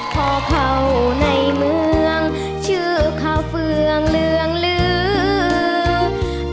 เพราะเขาในเมืองชื่อเขาเฟืองเรืองลืม